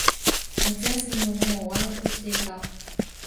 夏休みももう終わろうとしていた。